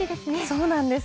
そうなんです。